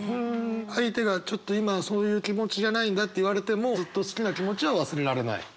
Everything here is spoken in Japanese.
相手がちょっと今そういう気持ちじゃないんだって言われてもずっと好きな気持ちは忘れられない？